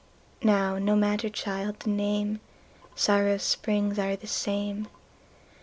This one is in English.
Now no matter, child, the name:Sórrow's spríngs áre the same.